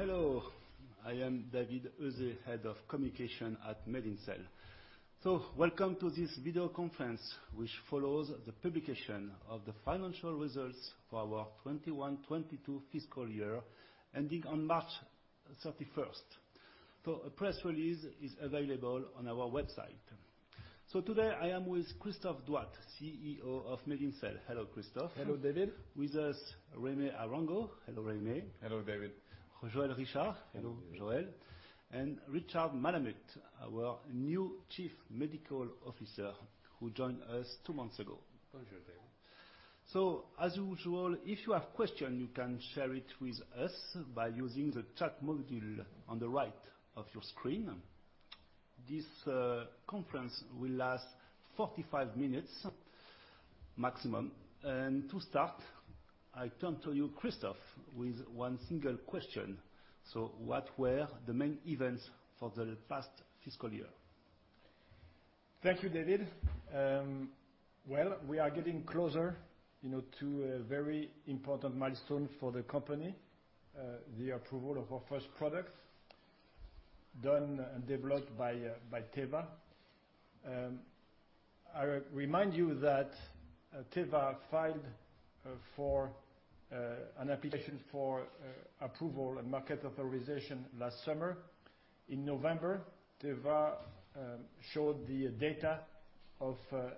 Hello. I am David Heuzé, Head of Communication at MedinCell. Welcome to this video conference, which follows the publication of the financial results for our 2021/2022 fiscal year, ending on March 31. Today, I am with Christophe Douat, CEO of MedinCell. Hello, Christophe. Hello, David. With us, Jaime Arango. Hello, Jaime. Hello, David. Joël Richard. Hello. Joël Richard. Richard Malamut, our new Chief Medical Officer, who joined us two months ago. Bonjour, David. As usual, if you have question, you can share it with us by using the chat module on the right of your screen. This conference will last 45 minutes maximum. To start, I turn to you, Christophe, with one single question. What were the main events for the past fiscal year? Thank you, David. Well, we are getting closer, you know, to a very important milestone for the company, the approval of our first product, done and developed by Teva. I remind you that Teva filed for an application for approval and market authorization last summer. In November, Teva showed the data of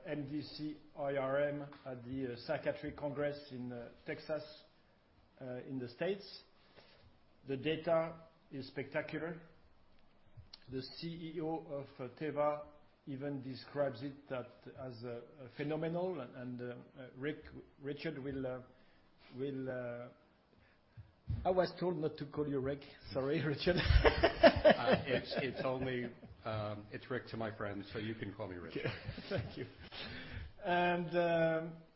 mdc-IRM at the Psychiatry Congress in Texas, in the States. The data is spectacular. The CEO of Teva even describes it that as phenomenal. Richard will. I was told not to call you Rick. Sorry, Richard. It's only Rick to my friends, so you can call me Rick. Thank you.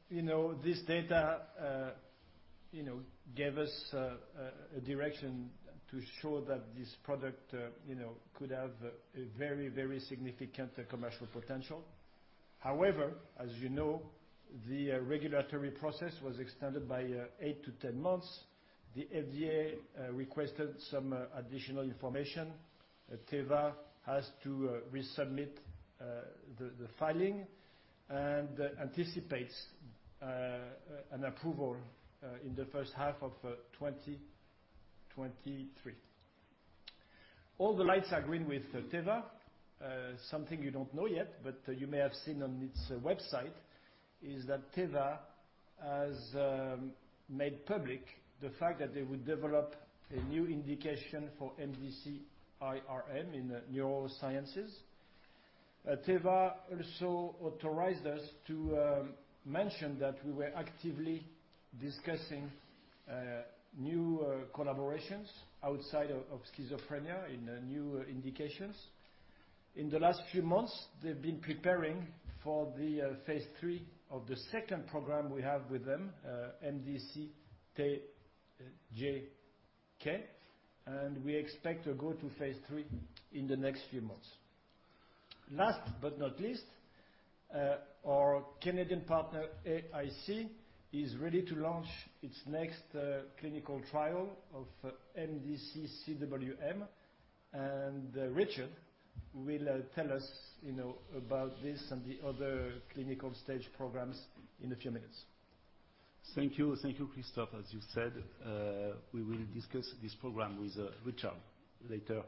You know, this data you know gave us a direction to show that this product you know could have a very, very significant commercial potential. However, as you know, the regulatory process was extended by eight to 10 months. The FDA requested some additional information. Teva has to resubmit the filing and anticipates an approval in the first half of 2023. All the lights are green with Teva. Something you don't know yet, but you may have seen on its website, is that Teva has made public the fact that they would develop a new indication for mdc-IRM in neurosciences. Teva also authorized us to mention that we were actively discussing new collaborations outside of schizophrenia in new indications. In the last few months, they've been preparing for the phase III of the second program we have with them, mdc-TJK, and we expect to go to phase III in the next few months. Last but not least, our Canadian partner, AIC, is ready to launch its next clinical trial of mdc-CWM. Richard will tell us, you know, about this and the other clinical stage programs in a few minutes. Thank you. Thank you, Christophe. As you said, we will discuss this program with Richard later.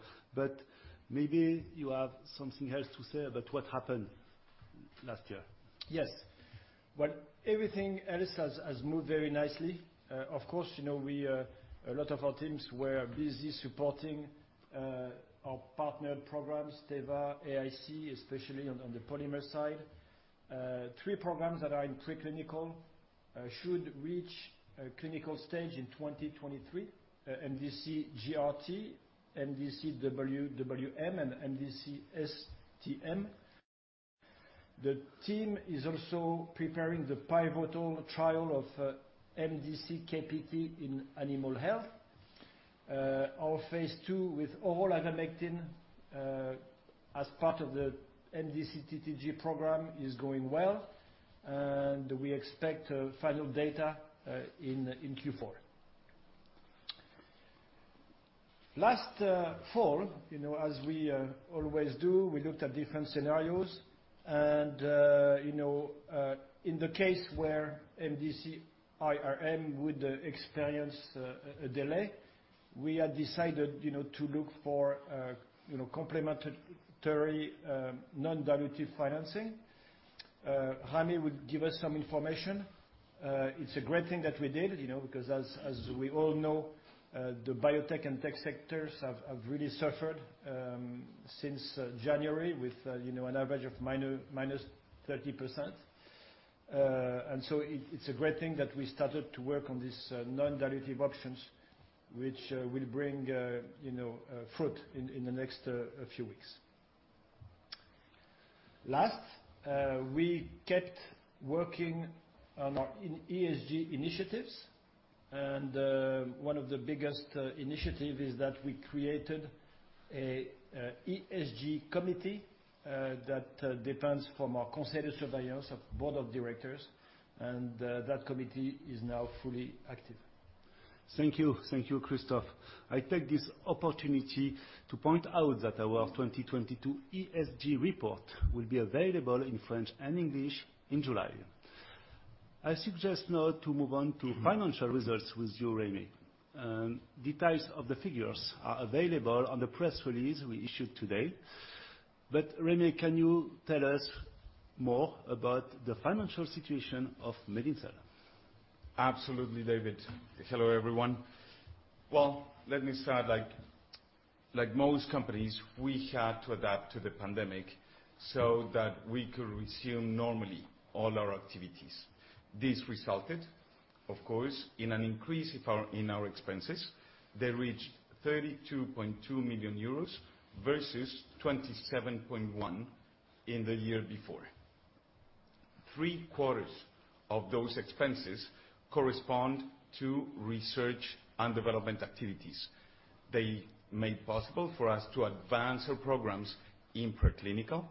Maybe you have something else to say about what happened last year. Yes. Well, everything else has moved very nicely. Of course, you know, we a lot of our teams were busy supporting our partner programs, Teva, AIC, especially on the polymer side. Three programs that are in preclinical should reach a clinical stage in 2023, mdc-GRT, mdc-WWM, and mdc-STM. The team is also preparing the pivotal trial of mdc-KPT in Animal Health. Our phase II with oral ivermectin as part of the mdc-TTG program is going well, and we expect final data in Q4. Last fall, you know, as we always do, we looked at different scenarios. You know, in the case where mdc-IRM would experience a delay, we had decided, you know, to look for, you know, complementary non-dilutive financing. Jaime would give us some information. It's a great thing that we did, you know, because as we all know, the biotech and tech sectors have really suffered since January with, you know, an average of minus 30%. It's a great thing that we started to work on these non-dilutive options, which will bring, you know, fruit in the next few weeks. Last, we kept working on our ESG initiatives, and one of the biggest initiative is that we created. An ESG committee that depends from our conseil de surveillance or board of directors, and that committee is now fully active. Thank you. Thank you, Christophe. I take this opportunity to point out that our 2022 ESG report will be available in French and English in July. I suggest now to move on to financial results with you, Jaime. Details of the figures are available on the press release we issued today. Jaime, can you tell us more about the financial situation of MedinCell? Absolutely, David. Hello, everyone. Well, let me start, like most companies, we had to adapt to the pandemic so that we could resume normally all our activities. This resulted, of course, in an increase in our expenses. They reached 32.2 million euros versus 27.1 million in the year before. Three-quarters of those expenses correspond to research and development activities. They made possible for us to advance our programs in preclinical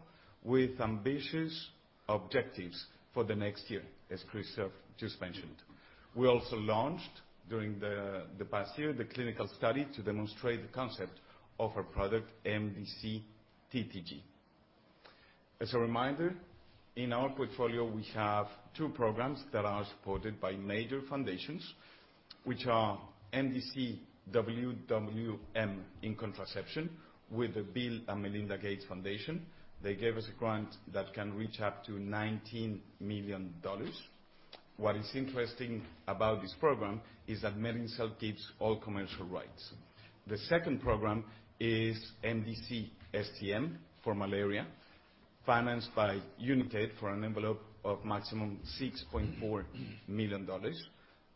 with ambitious objectives for the next year, as Christophe just mentioned. We also launched, during the past year, the clinical study to demonstrate the concept of our product mdc-TTG. As a reminder, in our portfolio, we have two programs that are supported by major foundations, which are mdc-WWM in contraception with the Bill & Melinda Gates Foundation. They gave us a grant that can reach up to $19 million. What is interesting about this program is that MedinCell keeps all commercial rights. The second program is mdc-STM for malaria, financed by Unitaid for an envelope of maximum $6.4 million,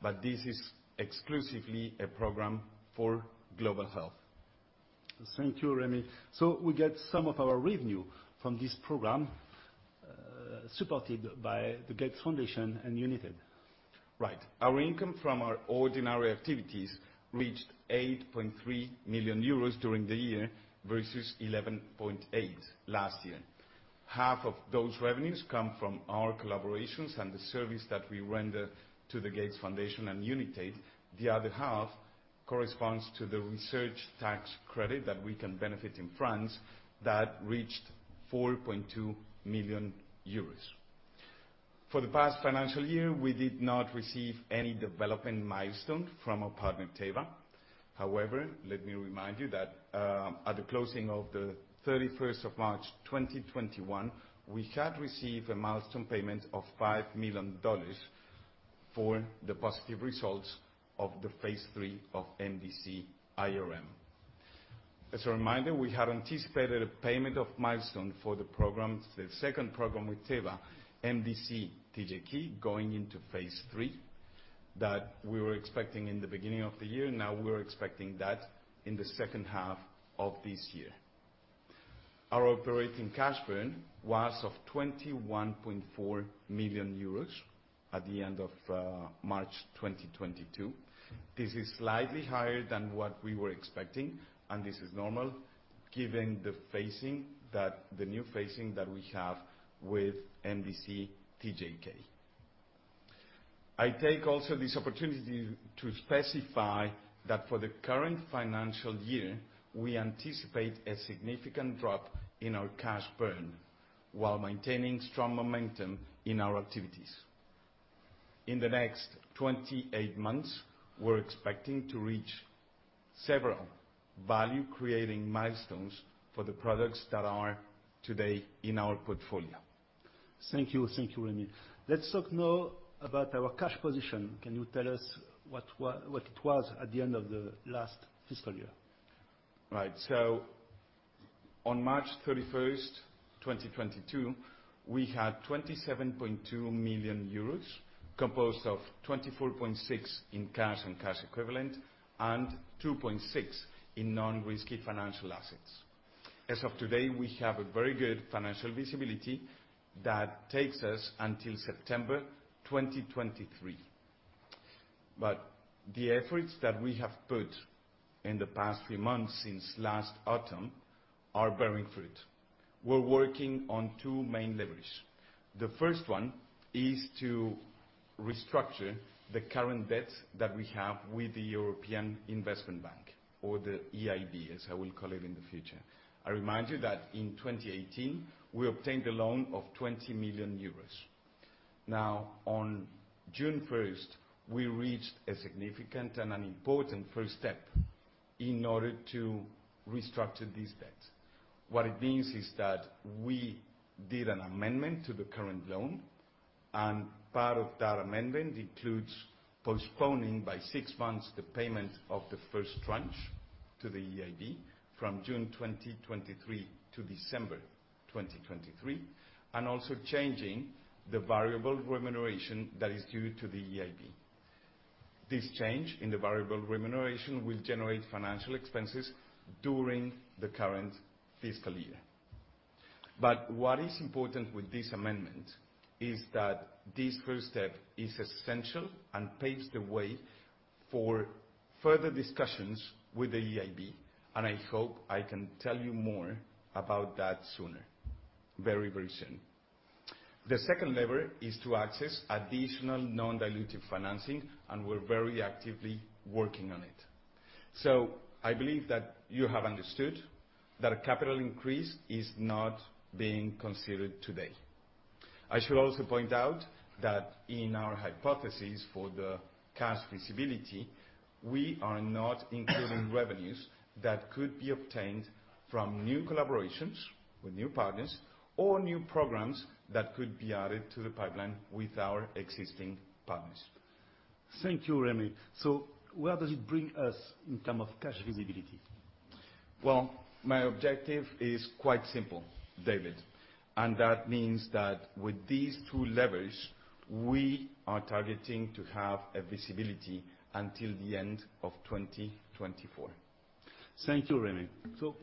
but this is exclusively a program for global health. Thank you, Jaime. We get some of our revenue from this program, supported by the Bill & Melinda Gates Foundation and Unitaid. Right. Our income from our ordinary activities reached 8.3 million euros during the year versus 11.8 million last year. Half of those revenues come from our collaborations and the service that we render to the Gates Foundation and Unitaid. The other half corresponds to the research tax credit that we can benefit in France that reached 4.2 million euros. For the past financial year, we did not receive any development milestone from our partner, Teva. However, let me remind you that at the closing of the thirty-first of March 2021, we had received a milestone payment of $5 million for the positive results of the phase III of mdc-IRM. As a reminder, we had anticipated a milestone payment for the program, the second program with Teva, mdc-TJK, going into phase III, that we were expecting in the beginning of the year. Now we're expecting that in the second half of this year. Our operating cash burn was of 21.4 million euros at the end of March 2022. This is slightly higher than what we were expecting, and this is normal given the new phasing that we have with mdc-TJK. I take also this opportunity to specify that for the current financial year, we anticipate a significant drop in our cash burn while maintaining strong momentum in our activities. In the next 28 months, we're expecting to reach several value-creating milestones for the products that are today in our portfolio. Thank you. Thank you, Jaime. Let's talk now about our cash position. Can you tell us what it was at the end of the last fiscal year? Right. On March 31, 2022, we had 27.2 million euros, composed of 24.6 million in cash and cash equivalent and 2.6 million in non-risky financial assets. As of today, we have a very good financial visibility that takes us until September 2023. The efforts that we have put in the past three months since last autumn are bearing fruit. We're working on two main leverage. The first one is to restructure the current debt that we have with the European Investment Bank, or the EIB, as I will call it in the future. I remind you that in 2018, we obtained a loan of 20 million euros. Now, on June 1, we reached a significant and an important first step in order to restructure this debt. What it means is that we did an amendment to the current loan, and part of that amendment includes postponing by six months the payment of the first tranche to the EIB from June 2023 to December 2023, and also changing the variable remuneration that is due to the EIB. This change in the variable remuneration will generate financial expenses during the current fiscal year. What is important with this amendment is that this first step is essential and paves the way for further discussions with the EIB, and I hope I can tell you more about that sooner. Very, very soon. The second lever is to access additional non-dilutive financing, and we're very actively working on it. I believe that you have understood that a capital increase is not being considered today. I should also point out that in our hypothesis for the cash visibility, we are not including revenues that could be obtained from new collaborations with new partners or new programs that could be added to the pipeline with our existing partners. Thank you, Jaime. Where does it bring us in terms of cash visibility? Well, my objective is quite simple, David Heuzé, and that means that with these two levers, we are targeting to have a visibility until the end of 2024. Thank you, Jaime.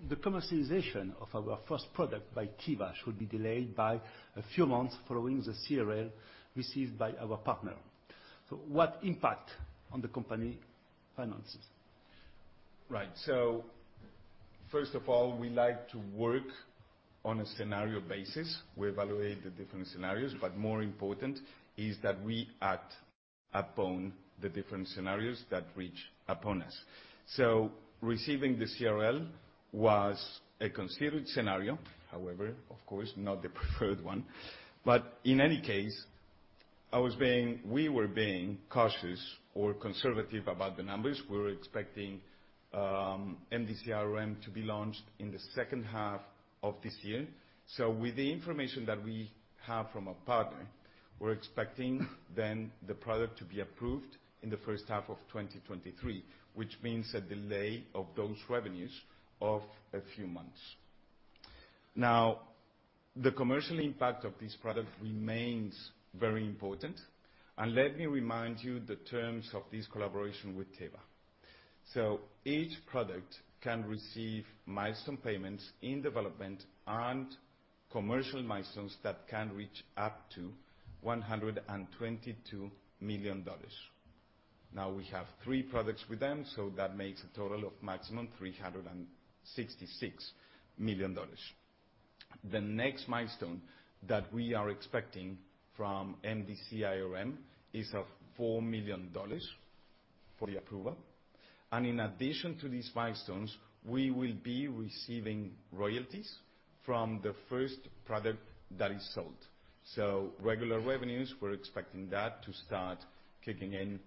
The commercialization of our first product by Teva should be delayed by a few months following the CRL received by our partner. What impact on the company finances? Right. First of all, we like to work on a scenario basis. We evaluate the different scenarios, but more important is that we act upon the different scenarios that reach upon us. Receiving the CRL was a considered scenario, however, of course, not the preferred one. In any case, we were being cautious or conservative about the numbers. We were expecting mdc-IRM to be launched in the second half of this year. With the information that we have from our partner, we're expecting then the product to be approved in the first half of 2023, which means a delay of those revenues of a few months. Now, the commercial impact of this product remains very important, and let me remind you the terms of this collaboration with Teva. Each product can receive milestone payments in development and commercial milestones that can reach up to $122 million. Now, we have three products with them, so that makes a total of maximum $366 million. The next milestone that we are expecting from mdc-IRM is of $4 million for the approval. In addition to these milestones, we will be receiving royalties from the first product that is sold. Regular revenues, we're expecting that to start kicking in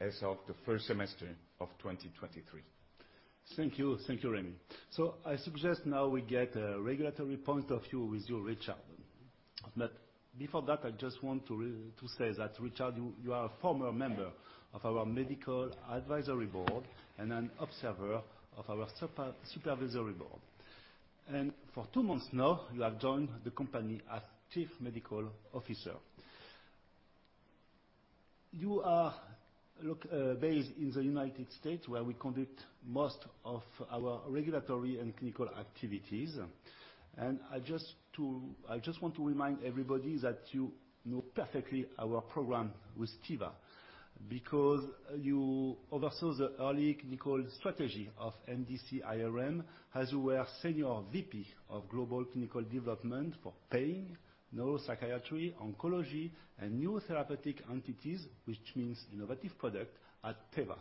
as of the first semester of 2023. Thank you. Thank you, Jaime. I suggest now we get a regulatory point of view with you, Richard. Before that, I just want to say that, Richard, you are a former member of our Medical Advisory Board and an observer of our Supervisory Board. For two months now, you have joined the company as Chief Medical Officer. You are, look, based in the United States, where we conduct most of our regulatory and clinical activities. I just want to remind everybody that you know perfectly our program with Teva because you oversaw the early clinical strategy of mdc-IRM, as you were Senior VP of global clinical development for pain, neuropsychiatry, oncology, and new therapeutic entities, which means innovative product at Teva.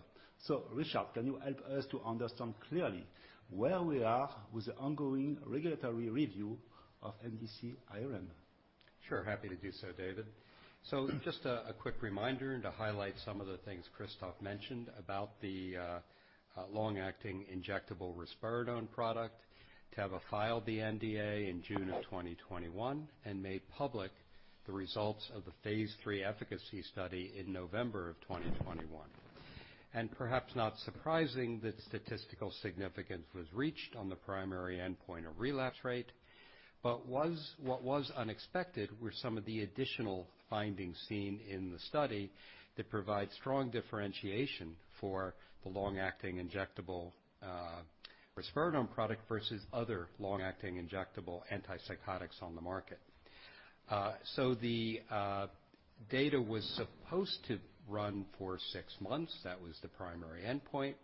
Richard, can you help us to understand clearly where we are with the ongoing regulatory review of MDCIRM? Sure. Happy to do so, David. Just a quick reminder and to highlight some of the things Christophe mentioned about the long-acting injectable risperidone product. Teva filed the NDA in June of 2021 and made public the results of the phase III efficacy study in November of 2021. Perhaps not surprising that statistical significance was reached on the primary endpoint of relapse rate, but what was unexpected were some of the additional findings seen in the study that provide strong differentiation for the long-acting injectable risperidone product versus other long-acting injectable antipsychotics on the market. The data was supposed to run for six months. That was the primary endpoint.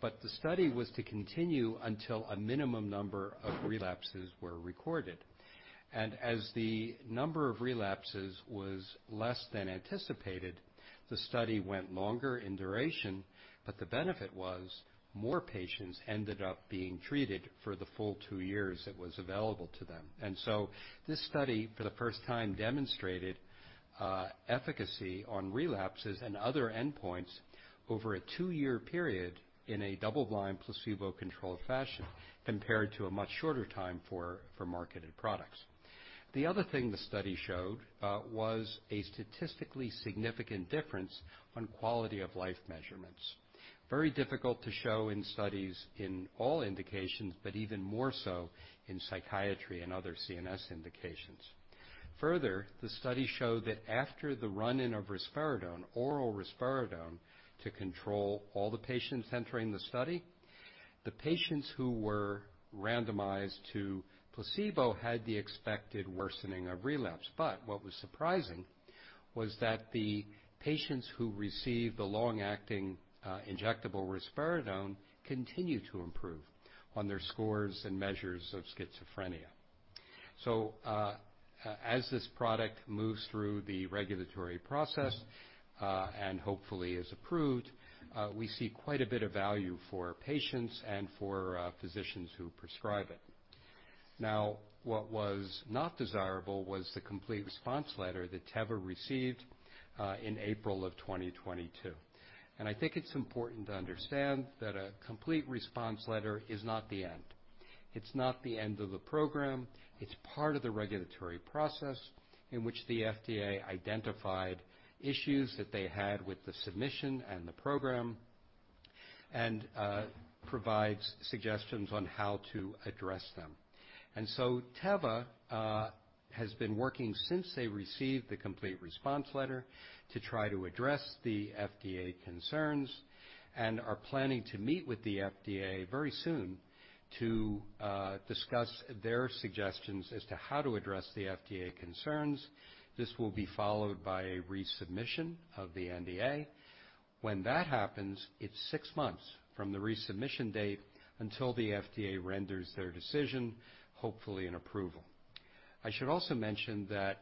The study was to continue until a minimum number of relapses were recorded. As the number of relapses was less than anticipated, the study went longer in duration, but the benefit was more patients ended up being treated for the full two years it was available to them. This study, for the first time, demonstrated efficacy on relapses and other endpoints over a two-year period in a double-blind, placebo-controlled fashion compared to a much shorter time for marketed products. The other thing the study showed was a statistically significant difference on quality of life measurements. Very difficult to show in studies in all indications, but even more so in psychiatry and other CNS indications. Further, the study showed that after the run-in of risperidone, oral risperidone, to control all the patients entering the study, the patients who were randomized to placebo had the expected worsening or relapse. What was surprising was that the patients who received the long-acting injectable risperidone continued to improve on their scores and measures of schizophrenia. As this product moves through the regulatory process, and hopefully is approved, we see quite a bit of value for patients and for physicians who prescribe it. Now, what was not desirable was the Complete Response Letter that Teva received in April of 2022. I think it's important to understand that a Complete Response Letter is not the end. It's not the end of the program. It's part of the regulatory process in which the FDA identified issues that they had with the submission and the program, and provides suggestions on how to address them. Teva has been working since they received the Complete Response Letter to try to address the FDA concerns, and are planning to meet with the FDA very soon to discuss their suggestions as to how to address the FDA concerns. This will be followed by a resubmission of the NDA. When that happens, it's six months from the resubmission date until the FDA renders their decision, hopefully in approval. I should also mention that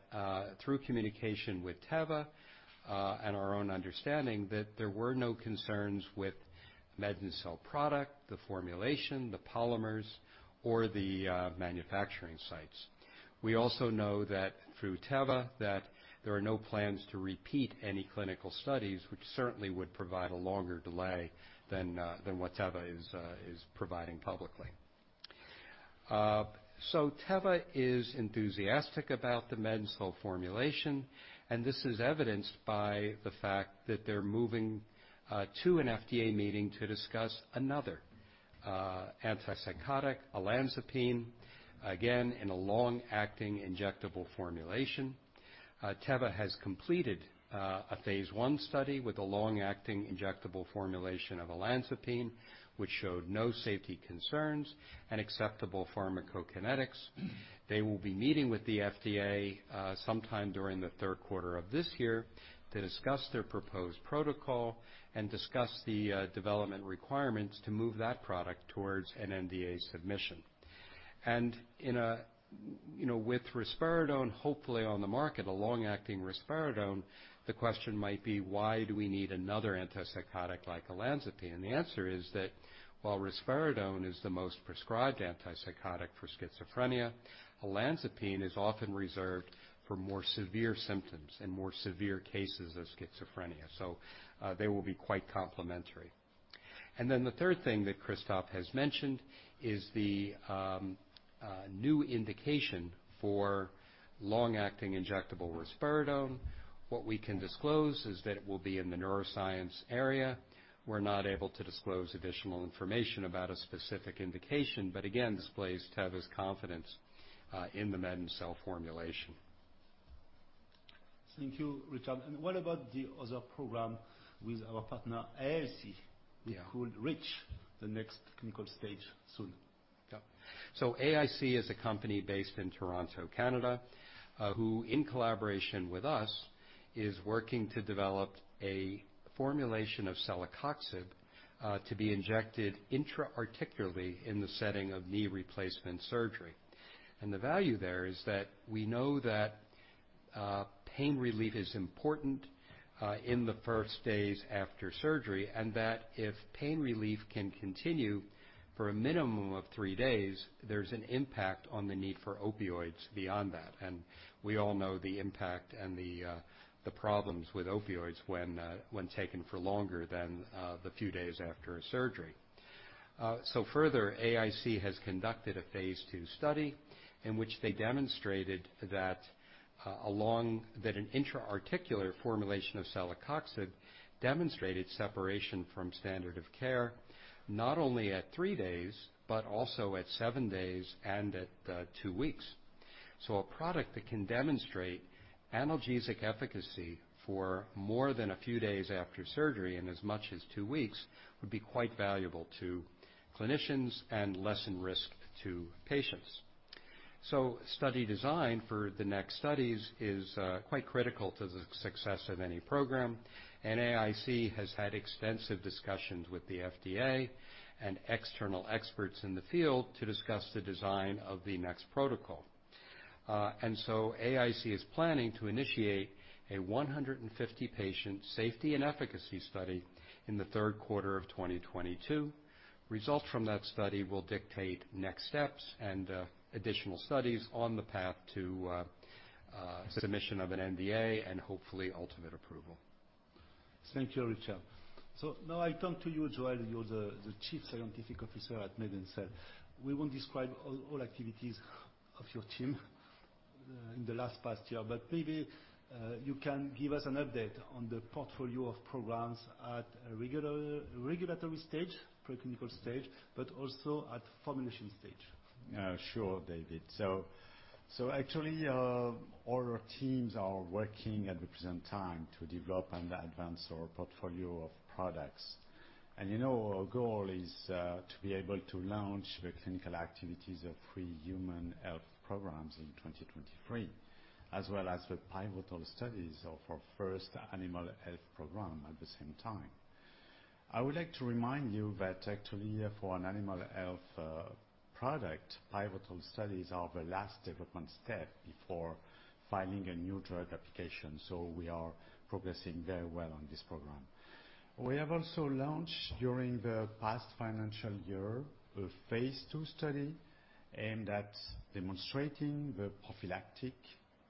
through communication with Teva and our own understanding, that there were no concerns with MedinCell product, the formulation, the polymers or the manufacturing sites. We also know that through Teva that there are no plans to repeat any clinical studies, which certainly would provide a longer delay than what Teva is providing publicly. Teva is enthusiastic about the MedinCell formulation, and this is evidenced by the fact that they're moving to an FDA meeting to discuss another antipsychotic, olanzapine, again, in a long-acting injectable formulation. Teva has completed a phase I study with a long-acting injectable formulation of olanzapine, which showed no safety concerns and acceptable pharmacokinetics. They will be meeting with the FDA sometime during the third quarter of this year to discuss their proposed protocol and discuss the development requirements to move that product towards an NDA submission. In a, you know, with risperidone hopefully on the market, a long-acting risperidone, the question might be, why do we need another antipsychotic like olanzapine? The answer is that while risperidone is the most prescribed antipsychotic for schizophrenia, olanzapine is often reserved for more severe symptoms and more severe cases of schizophrenia. They will be quite complementary. The third thing that Christophe has mentioned is the new indication for long-acting injectable risperidone. What we can disclose is that it will be in the neuroscience area. We're not able to disclose additional information about a specific indication, but again, displays Teva's confidence in the MedinCell formulation. Thank you, Richard. What about the other program with our partner AIC? Yeah. That could reach the next clinical stage soon? Yeah. AIC is a company based in Toronto, Canada, who in collaboration with us, is working to develop a formulation of celecoxib, to be injected intra-articularly in the setting of knee replacement surgery. The value there is that we know that, pain relief is important, in the first days after surgery, and that if pain relief can continue for a minimum of three days, there's an impact on the need for opioids beyond that. We all know the impact and the problems with opioids when taken for longer than the few days after a surgery. Further, AIC has conducted a phase II study in which they demonstrated that. That an intra-articular formulation of celecoxib demonstrated separation from standard of care, not only at three days, but also at seven days and at two weeks. A product that can demonstrate analgesic efficacy for more than a few days after surgery and as much as two weeks would be quite valuable to clinicians and lessen risk to patients. Study design for the next studies is quite critical to the success of any program. AIC has had extensive discussions with the FDA and external experts in the field to discuss the design of the next protocol. AIC is planning to initiate a 150-patient safety and efficacy study in the third quarter of 2022. Results from that study will dictate next steps and additional studies on the path to submission of an NDA and hopefully ultimate approval. Thank you, Richard. Now I turn to you, Joël. You're the Chief Scientific Officer at MedinCell. We won't describe all activities of your team in the past year, but maybe you can give us an update on the portfolio of programs at a regulatory stage, preclinical stage, but also at formulation stage. Sure, David. Actually, all our teams are working at the present time to develop and advance our portfolio of products. You know our goal is to be able to launch the clinical activities of three human health programs in 2023, as well as the pivotal studies of our first animal health program at the same time. I would like to remind you that actually for an animal health product, pivotal studies are the last development step before filing a new drug application. We are progressing very well on this program. We have also launched during the past financial year a phase II study aimed at demonstrating the prophylactic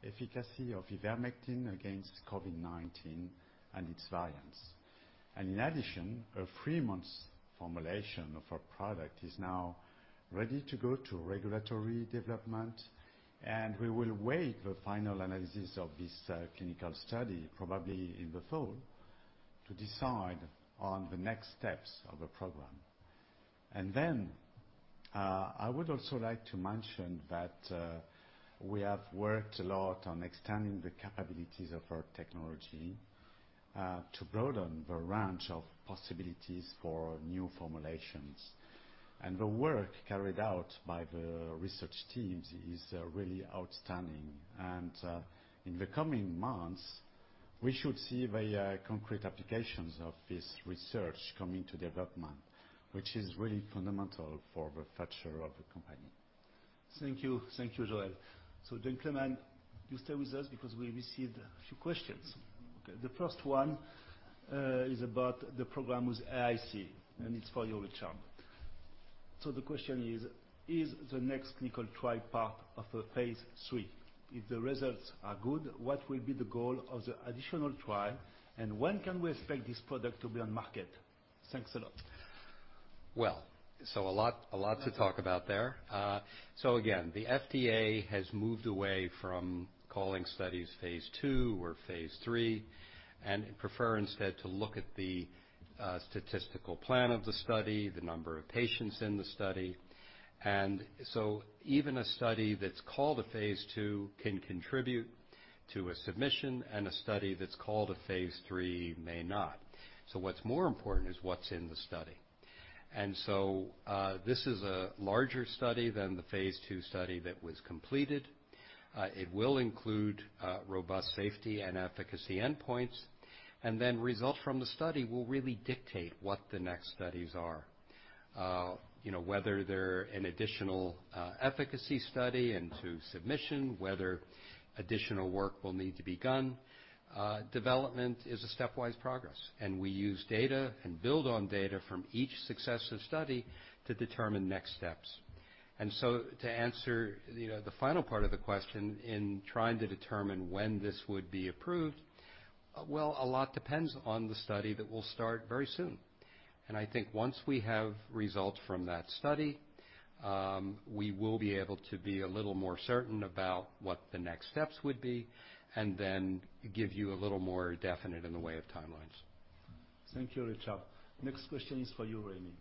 efficacy of ivermectin against COVID-19 and its variants. In addition, a three-month formulation of our product is now ready to go to regulatory development, and we will wait the final analysis of this clinical study probably in the fall to decide on the next steps of the program. Then, I would also like to mention that we have worked a lot on extending the capabilities of our technology to broaden the range of possibilities for new formulations. The work carried out by the research teams is really outstanding. In the coming months, we should see very concrete applications of this research coming to development, which is really fundamental for the future of the company. Thank you. Thank you, Joël. Joël, you stay with us because we received a few questions. Okay. The first one is about the program with AIC, and it's for you, Richard. The question is: Is the next clinical trial part of a phase III? If the results are good, what will be the goal of the additional trial, and when can we expect this product to be on market? Thanks a lot. Well, a lot to talk about there. Again, the FDA has moved away from calling studies phase II or phase III and prefer instead to look at the statistical plan of the study, the number of patients in the study. Even a study that's called a phase II can contribute to a submission, and a study that's called a phase III may not. What's more important is what's in the study. This is a larger study than the phase II study that was completed. It will include robust safety and efficacy endpoints, and then results from the study will really dictate what the next studies are. You know, whether they're an additional efficacy study into submission, whether additional work will need to be done. Development is a stepwise progress, and we use data and build on data from each successive study to determine next steps. To answer, you know, the final part of the question in trying to determine when this would be approved, well, a lot depends on the study that will start very soon. I think once we have results from that study, we will be able to be a little more certain about what the next steps would be and then give you a little more definite in the way of timelines. Thank you, Richard. Next question is for you, Jaime.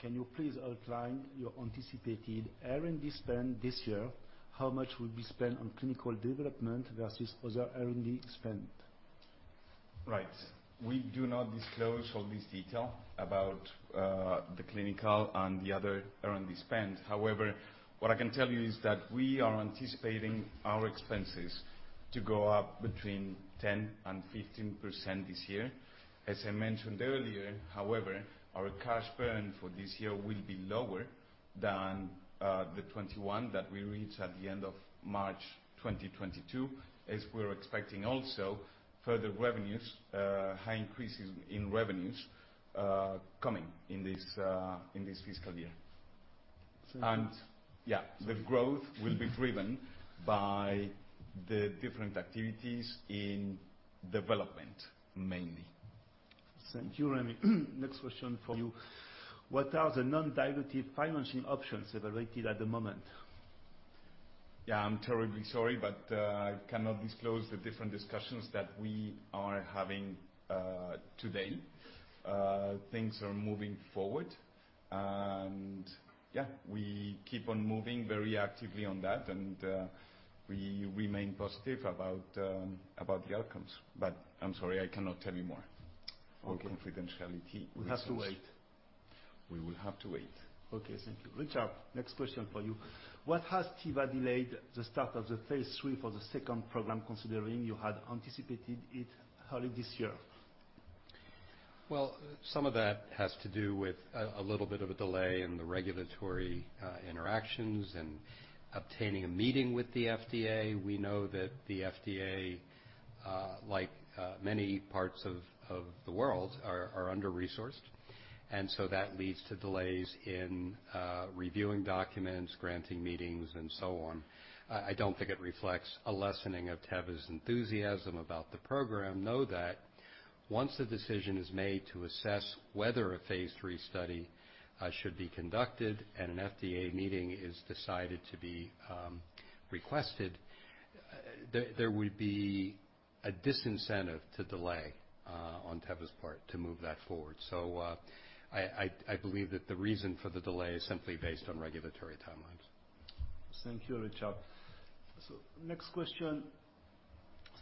Can you please outline your anticipated R&D spend this year? How much will be spent on clinical development versus other R&D spend? Right. We do not disclose all this detail about the clinical and the other R&D spend. However, what I can tell you is that we are anticipating our expenses to go up between 10%-15% this year. As I mentioned earlier, however, our cash burn for this year will be lower than the 21 that we reached at the end of March 2022, as we're expecting also further revenues, high increases in revenues, coming in this fiscal year. Yeah, the growth will be driven by the different activities in development mainly. Thank you, Jaime. Next question for you. What are the non-dilutive financing options evaluated at the moment? Yeah, I'm terribly sorry, but I cannot disclose the different discussions that we are having today. Things are moving forward. Yeah, we keep on moving very actively on that, and we remain positive about the outcomes. I'm sorry, I cannot tell you more. Okay. For confidentiality reasons. We have to wait. We will have to wait. Okay. Thank you. Richard, next question for you. What has Teva delayed the start of the phase III for the second program considering you had anticipated it early this year? Well, some of that has to do with a little bit of a delay in the regulatory interactions and obtaining a meeting with the FDA. We know that the FDA, like, many parts of the world are under-resourced. That leads to delays in reviewing documents, granting meetings and so on. I don't think it reflects a lessening of Teva's enthusiasm about the program. Know that once the decision is made to assess whether a phase III study should be conducted and an FDA meeting is decided to be requested. There would be a disincentive to delay on Teva's part to move that forward. I believe that the reason for the delay is simply based on regulatory timelines. Thank you, Richard. Next question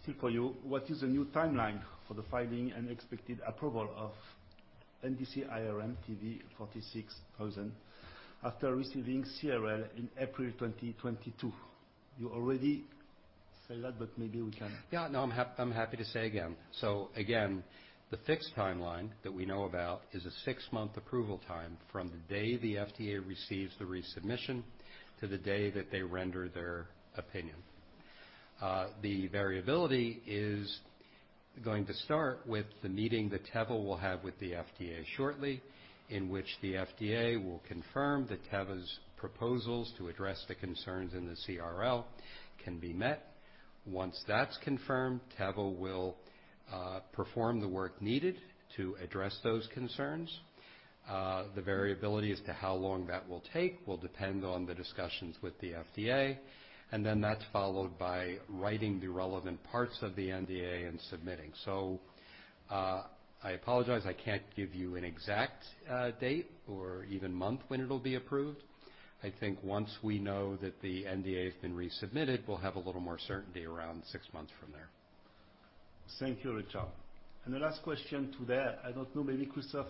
still for you. What is the new timeline for the filing and expected approval of mdc-IRM TV-46000 after receiving CRL in April 2022? You already said that, but maybe we can- Yeah. No, I'm happy to say again. The fixed timeline that we know about is a six-month approval time from the day the FDA receives the resubmission to the day that they render their opinion. The variability is going to start with the meeting that Teva will have with the FDA shortly, in which the FDA will confirm that Teva's proposals to address the concerns in the CRL can be met. Once that's confirmed, Teva will perform the work needed to address those concerns. The variability as to how long that will take will depend on the discussions with the FDA, and then that's followed by writing the relevant parts of the NDA and submitting. I apologize, I can't give you an exact date or even month when it'll be approved. I think once we know that the NDA has been resubmitted, we'll have a little more certainty around six months from there. Thank you, Richard. The last question today, I don't know, maybe Christophe,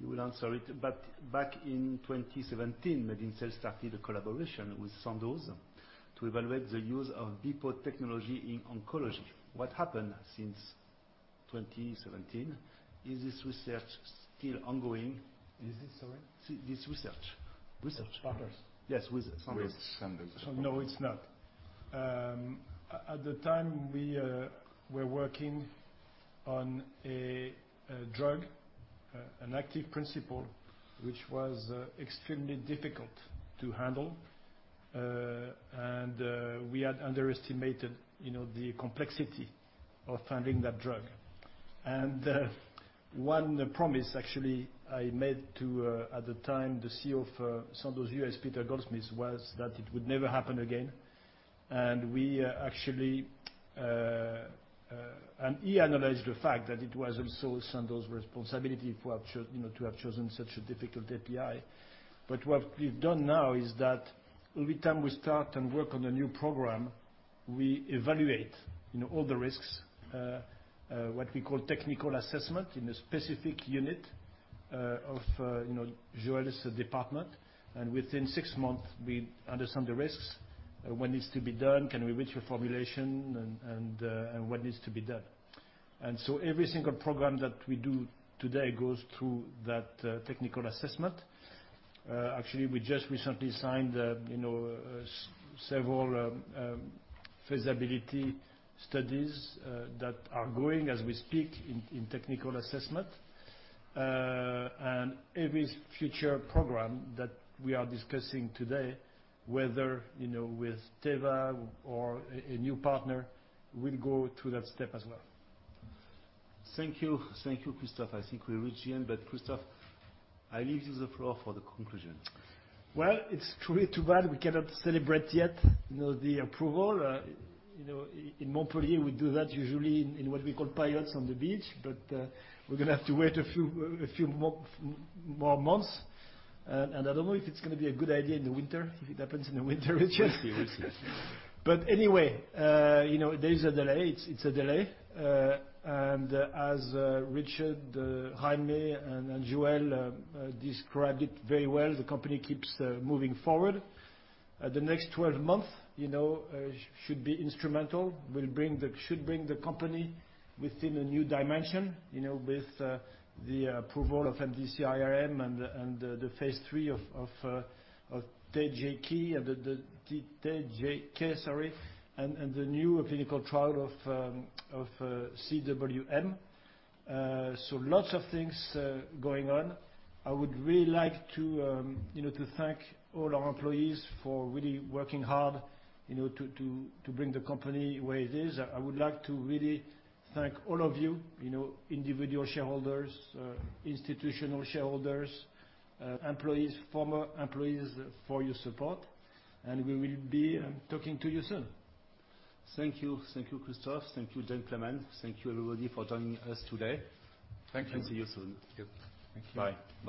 you will answer it. Back in 2017, MedinCell started a collaboration with Sandoz to evaluate the use of BEPO technology in oncology. What happened since 2017? Is this research still ongoing? Is this what? This research. Partners? Yes. Sandoz. Sandoz. No, it's not. At the time, we were working on a drug, an active principle, which was extremely difficult to handle. We had underestimated, you know, the complexity of finding that drug. One promise, actually, I made to, at the time, the CEO for Sandoz US, Peter Goldschmidt, was that it would never happen again. He analyzed the fact that it was also Sandoz's responsibility for having chosen such a difficult API. What we've done now is that every time we start and work on a new program, we evaluate, you know, all the risks, what we call technical assessment in a specific unit of, you know, Joël Richard's department. Within six months, we understand the risks, what needs to be done, can we reach a formulation and what needs to be done. Every single program that we do today goes through that technical assessment. Actually, we just recently signed several feasibility studies that are going as we speak in technical assessment. Every future program that we are discussing today, whether, you know, with Teva or a new partner, will go through that step as well. Thank you. Thank you, Christophe. I think we reached the end, Christophe, I leave you the floor for the conclusion. Well, it's truly too bad we cannot celebrate yet, you know, the approval. In Montpellier, we do that usually in what we call paillotes on the beach, but we're gonna have to wait a few more months. I don't know if it's gonna be a good idea in the winter if it happens in the winter, Richard. We'll see. Anyway, you know, there is a delay. It's a delay. As Richard, Jaime, and Joël described it very well, the company keeps moving forward. The next 12 months, you know, should be instrumental. Should bring the company within a new dimension, you know, with the approval of mdc-IRM and the phase III of mdc-TJK and the new clinical trial of mdc-CWM. Lots of things going on. I would really like to, you know, to thank all our employees for really working hard, you know, to bring the company where it is. I would like to really thank all of you know, individual shareholders, institutional shareholders, employees, former employees, for your support, and we will be talking to you soon. Thank you. Thank you, Christophe. Thank you, Joël. Thank you, everybody, for joining us today. Thank you. See you soon. Thank you. Bye.